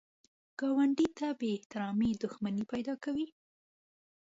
ګاونډي ته بې احترامي دښمني پیدا کوي